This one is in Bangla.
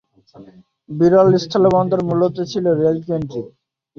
বিরল স্থলবন্দর মূলত ছিল রেল কেন্দ্রিক।